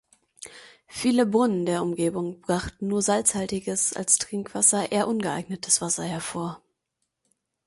Viele Brunnen der Umgebung brachten nur salzhaltiges als Trinkwasser eher ungeeignetes Wasser hervor.